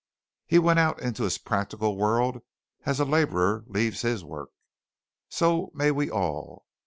He went out into his practical world as a laborer leaves his work. So may we all.